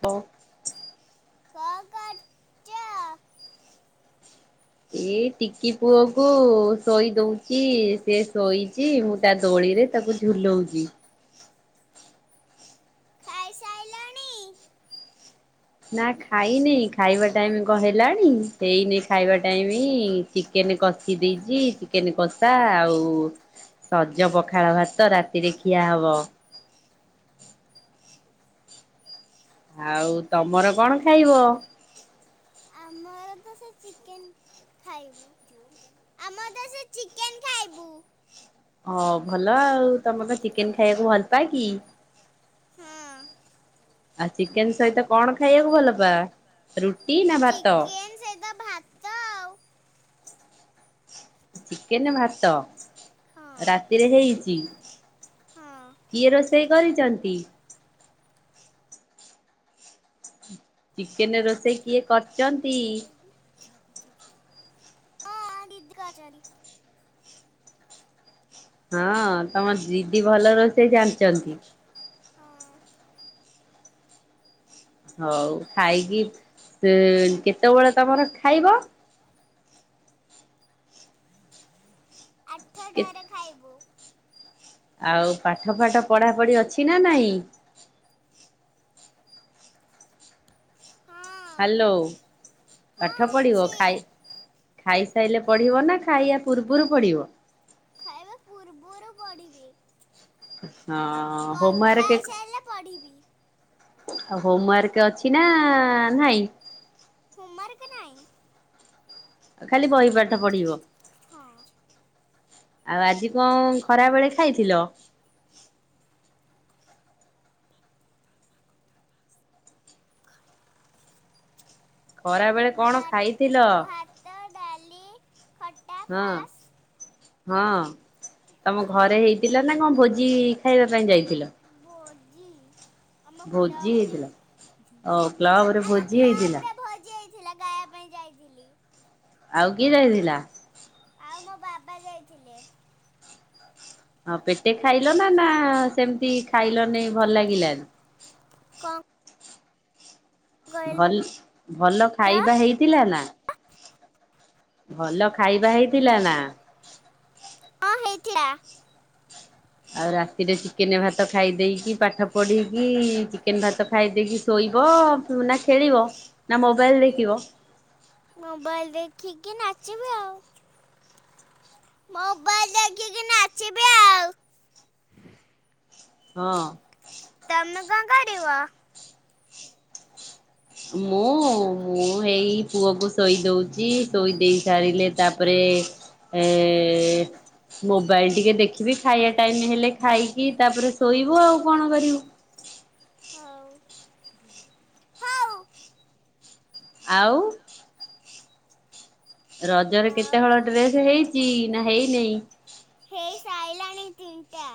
ତ କଁ କରୁଚ? ଏଇ ଟିକି ପୁଅକୁ ଶୋଇ ଦଉଚି ସେ ଶୋଇଚି ମୁଁ ତା ଦୋଳିରେ ତାକୁ ଝୁଲଉଚି। ଖାଇସାଇଲ? ନା ଖାଇନି ଖାଇବା ଟାଇମ୍ କଣ ହେଲାଣି ହେଇନି ଖାଇବା ଟାଇମି। ଚିକେନେ କଷି ଦେଇଚି ଚିକେନେ କଷା ଆଉ ସଜ ପଖାଳ ଭାତ ରାତିରେ ଖିଆ ହବ। ଆଉ ତମର କଣ ଖାଇବ? ଆମର ତ ସେ ଚିକେନେ ଖାଇବୁ। ଆମର ତ ସେ ଚିକେନେ ଖାଇବୁ। ହ ଭଲ ଆଉ ତମର ଚିକେନେ ଖାଇବାକୁ ଭଲ ପାଅ କି? ହଁ। ଆଉ ଚିକେନେ ସହିତ କଣ ଖାଇବାକୁ ଭଲ ପା ରୁଟି ନା ଭାତ? ସେଇତ ଭାତ ଆଉ ଚିକେନେ ଭାତ ହଁ ରାତିରେ ହେଇଚି। ହଁ କିଏ ରୋଷେଇ କରିଚନ୍ତି? ଚିକେନେ ରୋଷେଇ କିଏ କରିଚନ୍? ହଁ ଦିଦି କରିଚନ୍ତି। ହଁ ତମ ଦିଦି ଭଲ ରୋଷେଇ ଜାଣିଚନ୍ତି। ହଁ। ହୋଉ ଖାଇକି ଉଁ କେତେବେଳେ ତମର ଖାଇବ? ଆଠ ଟାରେ ଖାଇବୁ। ଆଉ ପାଠ ଫାଠ ପଢାପଢି ଅଛି ନା ନାହିଁ? ହଁ ହାଲୋ ହଁ ପାଠ ପଡିିବ ଅଛି ଖାଇ ଖାଇସାଇଲେ ପଢିବ ନା ଖାଇବା ପୂର୍ବରୁ ପଢିବ? ଖାଇବା ପୂର୍ବରୁ ପଡ଼ିବି। ହଁ କଥା ହୋମୱାର୍କ ହେଇସାଇଲେ ପଢିବି। ଆଉ ହୋମୱାର୍କ ଅଛି ନା ନାହିଁ? ହୋମ ୱାର୍କ ନାହିଁ। ଖାଲି ବହି ପାଠ ପଢିବ। ହଁ। ଆଉ ଆଜି କଣ ଖରା ବେଳେ ଖାଇଥିଲ? ଖରା ବେଳେ କଣ ଭାତ୍ ଖାଇଥିଲ? ଭା ଭାତ ଡାଲି ଖ ହଁ। ହଁ ତମ ଘରେ ହେଇଥିଲା ନା କଣ ଭୋଜି ଖାଇବା ପାଇଁ ଯାଇଥିଲ? ଭୋଜି। ଆମ ଭୋଜି କ୍ଲଵରେ ହେଇଥିଲା ଓ କ୍ଲବରେ ଆମ ଭୋଜି ହେଇଥିଲା କ୍ଲବରେ ଭଜି ହେ ଥିଲା ଖାଇବା ପାଇଁ ଯାଇଥିଲି। ଆଉ କିଏ ଯାଇଥିଲା? ଆଉ ମୋ ବାବା ଯାଇଥିଲେ। ହଁ ପେଟେ ଖାଇଲ ନା ନା ସେମିତି ଖାଇଲ ନେହିଁ ଭଲ ଲାଗିଲାନେହଁ? କଂ। ଭଲ ଭଲ ଖାଇବା ହେଇଥିଲା ନା? ଭଲ ଖାଇବା ହେଇଥିଲା ନା? ହଁ ହେଇଥିଲା। ଆଉ ରାତିରେ ଚିକେନେ ଭାତ ଖାଇ ଦେଇେଇକି ପାଠ ପଢିକି ଚିକେନେ ଭାତ ଖାଇ ଦେଇେଇକି ଶୋଇବ ନା ଖେଳିବ ନା ମୋବାଇଲ ଦେଖିବ। ମୋବାଇଲ ଦେଖିକି ନାଚିବି ଆଉ। ମୋବାଇଲ ଦେଖିକି ନାଚିବି ଆଉ। ହଁ। ତମେ କଣ କରିବ? ମୁଁ ମୁଁ ହେଇ ପୁଅକୁ ଶୋଇ ଦଉଛି ଶୋଇ ଦେଇ ସାରିଲେ ତାପରେ ଏଏ ଏ ମୋବାଇଲ ଟିକେ ଦେଖିବି ଖାଇବା ଟାଇମ ହେଲେ ଖାଇକି ତାପରେ ଶୋଇବୁ ଆଉ କଣ କରିବୁ। ହଉ ହଉ। ଆଉ। ରଜରେ ହଉ କେତେ ହଳ ଡ୍ରେସ ହେଇଛି ନା ହେଇନେଇଁ? ହେଇ ସାଇଲାଣି ତିନଟା।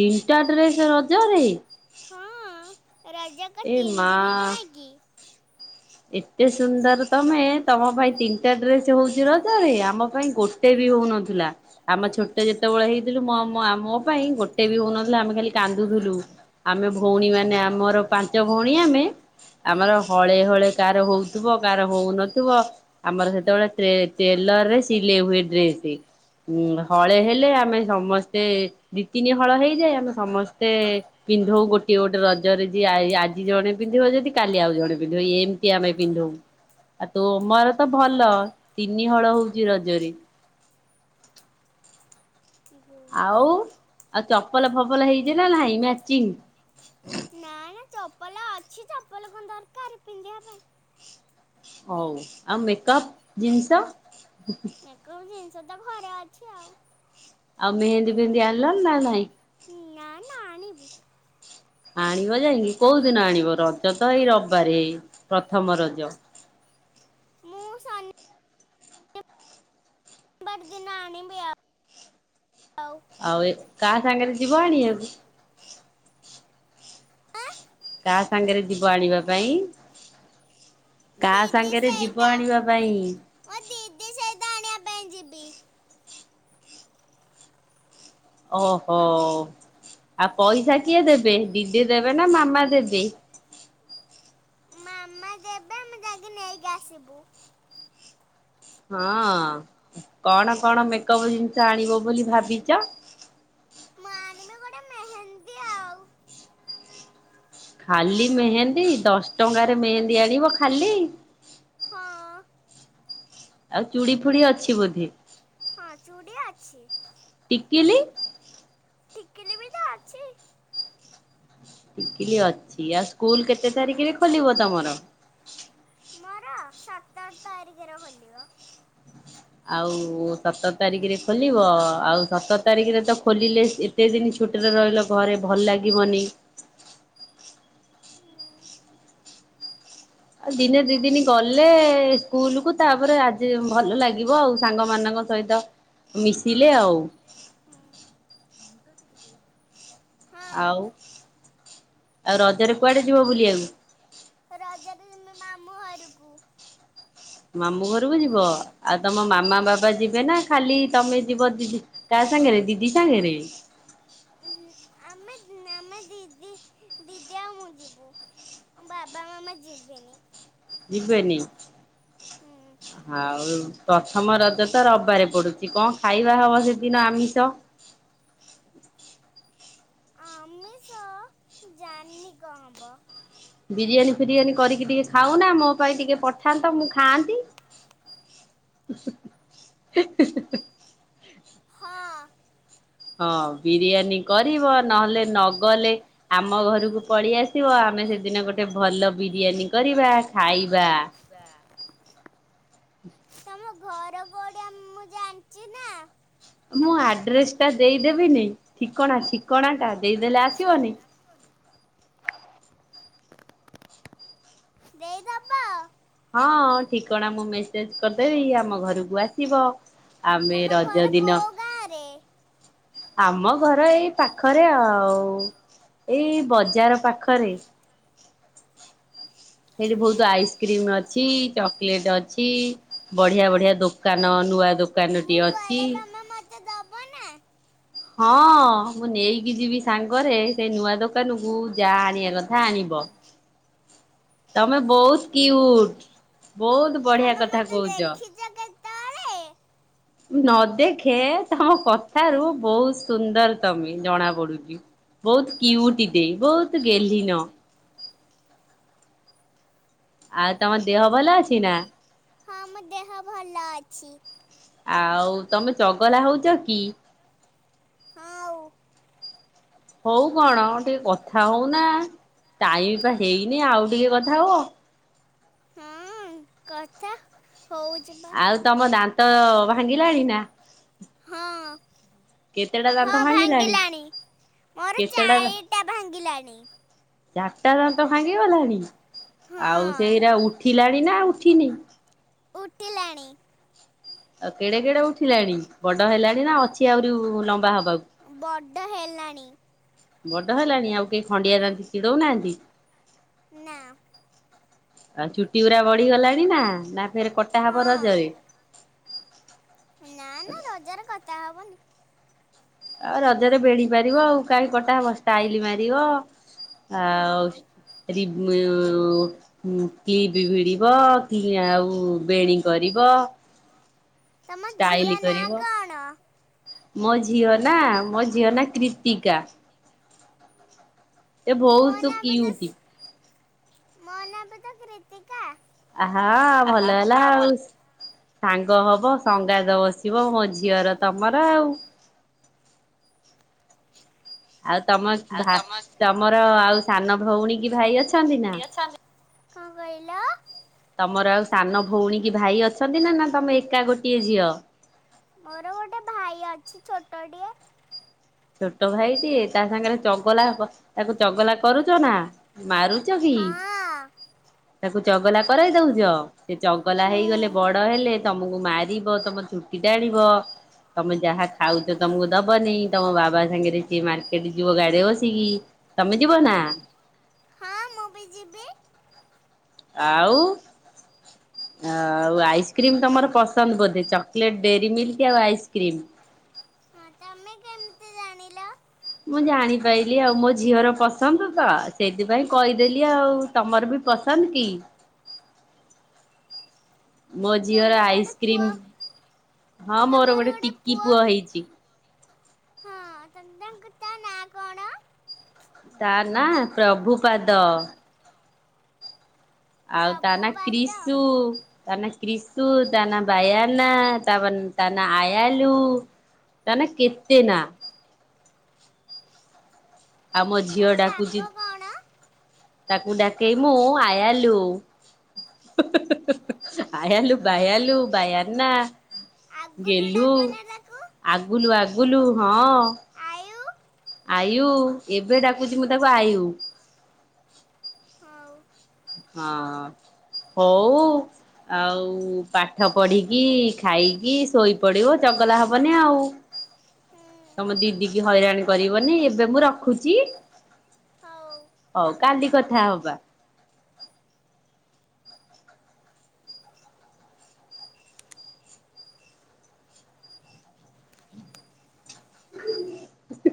ତିନିଟା ଡ୍ରେସ ରଜରେ। ହଁ ରଜକ ଏ ତିନି ଦିନି ମା ନୁହେଁ କି? ଏତେ ସୁନ୍ଦର ତମେ ତମ ପାଇଁ ତିନିଟା ଡ୍ରେସ ହଉଛି ରଜରେ ଆମ ପାଇଁ ଗୋଟ ଟେ ବି ହଉନଥିଲା। ଆମ ଛୋଟ ଯେତେବେଳେ ହେଇଥିଲୁ ମୋ ମୋ ପାଇଁ ଗୋଟେ ବି ହଉନଥିଲା ଆମେ ଖାଲି କାନ୍ଦୁଥୁଲୁ। ଆମେ ଭଉଣୀ ମାନେ ଆମର ପାଞ୍ଚ ଭଉଣୀ ଆମେ ଆମର ହଳେ ହଳେ କାର ହଉଥିବ କାର ହଉନଥିବ ଆମର ସେତେବେଳେ ଟ୍ରେ ଟେଲର ରେ ସିଲେଇ ହୁଏ ଡ୍ରେସ୍। ଉ ହଳେ ହେଲେ ଆମେ ସମସ୍ତେ ଦି ତିନି ହଳ ହେଇଯାଏ ଆମେ ସମସ୍ତେ ପିନ୍ଧଉ ଗୋଟିଏ ଗୋଟେ ରଜରେ ଯ ଆଜି ଜଣେ ପିନ୍ଧିବ ଯଦି କାଲି ଆଉ ଜଣେ ପିନ୍ଧିବ ଏମତି ଆମେ ପିନ୍ଧୁ ଆଉ ତୁମର ତ ଭଲ ତିନି ହଳ ହଉଛି ରଜରେ। ଆଉ ନା ଆଉ ଚପଲ ଫପଲ ହେଇଛି ନା ନାଇଁ ମ୍ୟାଚିଂ? ନାଇ ନା ଚପଲ ଅଛି ଚପଲ କଣ ଦରକାର ପିନ୍ଧିବା ପାଇଁ। ହଉ ଆଉ ମେକଅପ ଜିନିଷ? ମେକପ ଜିନିଷ ତ ଘରେ ଅଛି ଆଉ। ଆଉ ମେହେନ୍ଦୀ ଫେମେନ୍ଦି ଆଣିଲନି ନା ନାଇଁ? ନା ନା ଆଣିବୁ। ଆଣିବ ଯାଇକି କୋଉ ଦିନ ଆଣିବ ରଜ ତ ଏଇ ରବିବାର ହେଇ ପ୍ରଥମ ରଜ। ମୁଁ ସନି ବାର ଦିନ ଆଣିବି ଆଉ। ଆଉ ଏ କାହା ସାଙ୍ଗରେ ଯିବା ଆଣିଆକୁ? ଆ। କାହା ସାଙ୍ଗରେ ଯିବ ଆଣିବା ପାଇଁ? କା ଦିଦି ସାଙ୍ଗରେ ସହିତ ଯିବ ଆଣିବା ପାଇଁ? ମୋ ଦିଦି ସହିତ ଆଣିବାପାଇଁ ଜିବି। ଓହୋ ଆଉ ପଇସା କିଏ ଦେବେ ଦିଦି ଦେବେ ନା ମାମା ଦେବେ? ମାମା ଯେବେ ଆମେ ଯାଇକି ନେଇକି ଆସିବୁ। ହଁ କଣ କଣ ମେକଅପ୍ ଜିନିଷ ଆଣିବ ବୋଲି ଭାବିଛ? ମୁଁ ଆଣିବି ଗୋଟେ ମେହେନ୍ଦୀ ଆଉ। ଖାଲି ମେହେନ୍ଦୀ ଦଶ ଟଙ୍କାରେ ମେହେନ୍ଦୀ ଆଣିବ ଖାଲି? ହଁ। ଆଉ ଚୁଡ଼ି ଫୁଡି ଅଛି ବୋଧେ? ହଁ ଚୁଡ଼ି ଅଛି। ଟିକିଲି ଟିକିଲି ବି ତ ଅଛି। ଟିକିଲି ଅଛି, ଆଉ ସ୍କୁଲ୍ କେତେ ତାରିଖରେ ଖୋଲିବ ତମର? ମୋର ସତର୍ ତାରିଖରେ ଖୋଲିବ। ଆଉ ସତର୍ ତାରିଖିରେ ଖୋଲିବ ଆଉ ସତ ତାରିଖରେ ତ ଖୋଲିଲେ କେତେ ଦିନ ଛୁଟରେ ରହିଲ ଘରେ ଭଲ୍ ଲାଗିବନି। ହୁଁ ଆଉ ଦିନେ ଦି ଦିନି ଗଲେ ସ୍କୁଲୁ କୁ ତାପରେ ଆଜି ଭଲ ଲାଗିବ ଆଉ ସାଙ୍ଗମାନାନଙ୍କ ସହିତ ମିଶିଲେ ଆଉ। ହୁଁ ମୁହଁଟା ଟିକେ ଆଉ ଆଉ ରଜରେ କୁଆଡେ ଯିବ ବୁଲିବାକୁ? ରଜରେ ଜିମି ମାମୁଁ ଘରକୁ। ମାମୁ ଘରକୁ ଯିବ ଆଉ ତମ ମାମା ହଁ ବାବା ଯିବେ ନା? ଖାଲି ତମେ ଯିବ ଦିଦି ତା ସାଙ୍ଗରେ ଦିଦି ସାଙ୍ଗରେ। ଆମେ ଆମେ ଦିଦି ଦିଦି ଆଉ ମୁଁ ଯିବୁ ବାବା ମାମା ଯିବେନି। ଯିବେନି ହୁଁ ଆଉ ପ୍ରଥମ ରଜ ତ ରବିବାରେ ପଡ଼ୁଛି କଣ ଖାଇବା ହେବ ସେଦିନ ଆମିଷ? ଆମିଷ ଜାନିଁ କଁ ହବ। ବିରିୟାନୀ ଫିରିୟାନୀ କରିକି ଟିକେ ଖାଉନା ମୋ ପାଇଁ ଟିକେ ପଠାନ୍ତ ମୁଁ ଖାଆନ୍ତି। ହଁ। ହଁ ବିରିୟାନୀ କରିବ ନହେଲେ ନଗଲେ ଆମ ଘରକୁ ପଳି ଆସିବ ଆମେ ସେଦିନ ଗୋଟେ ଭଲ ବିରିୟାନୀ କରିବା ଖାଇବା। ଥିବା। ତମ ଘର କୋଉଠି ମୁଁ ଜାଣିଚି ନା। ମୁଁ ଆଡ୍ରେସ୍ ଟା ଦେଇଦେବିନି ଠିକଣା ଠିକଣା ଟା ଦେଇଦେଲେ ଆସିବନି। ଦେଇଦବ। ହଁ ଠିକଣା ମୁଁ ମେସେଜ୍ କରିଦେବି ଆମ ଘରକୁ ଆସିବ। ଆମେ ତମ ରଜ ଘର ଦିନ କୋଉ ଗାଁରେ ଆମ ଘର ଏଇ ପାଖରେ ଆଉ। ଏଇ ବଜାର ପାଖରେ। ସେଇଠି ବୋହୁତୁ ଆଇସ୍କ୍ରିମ୍ ଅଛି ଚକ୍ଲେଟ୍ ଅଛି ବଢିଆ ବଢିଆ ଦୋ କାନ ନୂଆ ଦୋକାନଟି ଅଛି। ମା ମତେ ଦବ ନା? ହଁ ମୁଁ ନେଇକି ଯିବି ସାଙ୍ଗରେ ସେଇ ନୂଆ ଦୋକାନ କୁ ଯା ଆଣିବା କ ଯାହା ଆଣିବ ତମେ ବୋହୁତ୍ କ୍ୟୁଟ୍ ବୋହୁତ୍ ବଢିଆ କଥା କୋହୁଚ। ଚ କେତଏଳେ? ନ ଦେଖେ ତମ କଥାରୁ ବୋହୁତ୍ ସୁନ୍ଦର୍ ତମେ ଜଣା ପଡୁଚି। ବୋହୁତ୍ କ୍ୟୁଟିଟେ ବହୁତ୍ ଗେଲ୍ହି ନ। ଆଉ ତମ ଦେହ ଭଲ ଅଛି ନା? ହଁ ମୋ ଦେହ ଭଲ ଅଛି। ଆଉ ତମେ ଚଗଲା ହୋଉଚ କି? ହଁ ଉ। ହୋଉ କଣ ଟିକେ କଥା ହୋଉନା ଟାଇମି ପା ହେଇନି ଆଉ ଟିକେ କଥା ହୁଅ। ହଁ କଥା ହଉ ଆଉ ତମ ଦାନ୍ତ ଭାଙ୍ଗିଲାଣି ନା। ହଁ କେତେଟା ହଁ ଦାନ୍ତ ଭାଙ୍ଗିଲାଣି ମୋର କେତେଟା ଚାରିଟା ଭାଙ୍ଗିଲାଣି। ଚାରିଟା ଦାନ୍ତ ଭାଙ୍ଗି ଗଲାଣି ଆଉ ହଁ ସେଉରା ଉଠିଲାଣି ନା ଉଠିନି। ଉଠିଲାଣି। କେଡେ କେଡେ ଉଠିଲାଣି ବଡ ହେଲାଣି ନା ଅଛି ଆହୁରି ଲମ୍ବା ହେବାକୁ। ବଡ଼ ହେଲାଣି। ବଡ ହେଲାଣି ଆଉ କେହି ଖଣ୍ଡିଆ ଦାନ୍ତି ଚିଡୋଉ ନାହାନ୍ତି? ନା ଆ ଚୁଟି ଉରା ବଢିଗଲାଣି ନା ନା ଫେରେ କଟା ହବ ହଁ ରଜରେ। ନା ନା ରଜରେ କଟା ହବନି। ଆ ରଜରେ ବେଣୀ ପାରିବ ଆଉ କାହିଁ କଟା ହବ ଷ୍ଟାଇଲ ମାରିବ ଆଉ ହଁ ରି ଵ ହୁଁ କ୍ଲିପ୍ ଭିଡିବ କି ଆଉ ବେଣୀ କରିବ। ତମ ଝିଅ ଷ୍ଟାଇଲ ନାଁ କରିବ କ'ଣ ମୋ ଝିଅ ନା ମୋ ଝିଅ ନା କ୍ରିତିକା। ସେ ମୋ ବହୁତ ନା ବି ତ କିଉଟି ମୋ ନା ବି ତ କ୍ରିତିକା ଆହା ଭଲ ହେଲା ଆଉ ସାଙ୍ଗ ହବ ସଙ୍ଗାତ ବସିବ ମୋ ଝିଅର ତମର ଆଉ ଆଉ ତମ ଭା ତମର ଆଉ ସାନ ଭଉଣୀ କି ଭାଇ ଅଛ? ଇଏ ଅଛନ୍ତି। କଣ କହିଲ? ତମର ଆଉ ସାନ ଭଉଣୀ କି ଭାଇ ଅଛନ୍ତି ନା ତମେ ଏକା ଗୋଟିଏ ଝିଅ। ମୋର ଗୋଟେ ଭାଇ ଅଛି ଛୋଟ ଟିଏ। ଛୋଟ ଭାଇଟିଏ ତା ସାଙ୍ଗରେ ଚଗଲା ତାକୁ ଚଗଲା କରୁଚ ନା ମାରୁ ଚଗିଲି ହଁ ତାକୁ ଚଗଲା କରାଇ ଦଉଚ। ସେ ଚଗଲା ହେଇଗଲେ ହୁଁ ବଡ ହେଲେ ତମ ତମକୁ ମାରିବ ତମ ଚୁଟି ଟାଣିବ ତମେ ଯାହା ଖାଉଚ ତମକୁ ଦବନି। ତମ ବାବା ସାଙ୍ଗରେ ସିଏ ମାର୍କେଟ ଯିବ ଗାଡିରେ ବସିକି ତମେ ଯିବ ନା। ହଁ ମୁଁ ବି ଯିବି। ଆଉ। [inaudible] ଆଉ ଆଇସ୍କ୍ରିମ୍ ତମର ପସନ୍ଦ ବୋଧେ ଚକଲେଟ୍ ଡେରି ମିଲ୍କ ଆଉ ଆଇସ୍କ୍ରିମ୍। ହଁ ତମେ କେମିତି ଜାଣିଲ। ମୁଁ ଜାଣିପାଇଲି ଆଉ ମୋ ଝିଅର ପସନ୍ଦ ତ ସେଇଥିପାଇଁ ହଁ, କହିଦେଲି ଆଉ ତମର ବି ପସନ୍ଦ କି? ମୋ ଝିଅର ତମର ଗୋଟେ ପୁଅ ଆଇସ୍କ୍ରିମ୍ ହଁ ମୋର ଗୋଟେ ଟିକି ପୁଅ ହେଇଚି। ହଁ ତନ୍ଦ--ତାଙ୍କ ତା ନାଁ କଣ? ତା ନା ପ୍ରଭୁ ପାଦ। ଆଉ ତା ନା ପ୍ରଭୁପାଦ କ୍ରିଶୁ ତା ନା କ୍ରିସ୍ତୁ ତା ନା ବାୟାନା ତାପ ତା ନା ଆୟାଲୁ ତା ନା କେତେ ନା ଆଉ ମୋ ଝିଅ ତାକୁ ଡାକୁଛି ଡାକ କଣ ତାକୁ ଡାକେଇ ମୁଁ ଆୟାଲୁ ଆୟଲୁ ବାଇଆଲୁ ବାୟାନା ଆଗୁଲୁ ଗେଲ୍ଲୁ ଡାକ ନା ତାକୁ ଆଗୁଲୁ ଆଗୁଲୁ ହଁ ଆୟୁ ଆୟୁ ଏବେ ଡାକୁଛି ମୁଁ ତାକୁ ଆୟୁ। ହୋଉ। ହଁ ହଁ ହୋଉ। ଆଉ ପାଠ ପଢିକି ଖାଇକି ଶୋଇପଡିବ ଚଗଲା ହବନି ଆଉ। ହୁଁ ତମ ଦିଦି କି ହଇରାଣ କରିବନି ଏବେ ମୁଁ ରଖୁଛି? ହଉ ହଉ କାଲି କଥା ହବା।